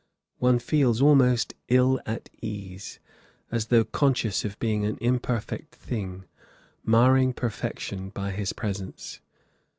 One feels almost ill at ease, as though conscious of being an imperfect thing, marring perfection by his presence.